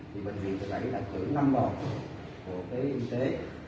thì bệnh viện trực lãnh đã cử năm bộ của bộ y tế